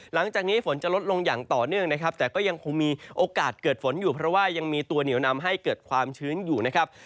หลังจากนี้ฝนจะลดลงอย่างต่อเนื่องนะครับแต่ก็ยังคงมีโอกาสเกิดฝนอยู่เพราะว่ายังมีตัวเหนียวนำให้เกิดความชื้นอยู่นะครับ